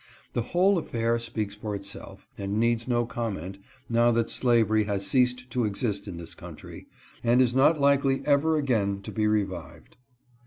The whole affair speaks for itself, and needs no comment, now that slavery has ceased to exist in this country, and is not likely ever again to be revived.